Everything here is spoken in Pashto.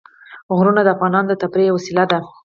غرونه د افغانانو د تفریح یوه وسیله ده.